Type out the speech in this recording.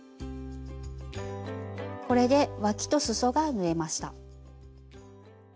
これでわきとすそが縫えました。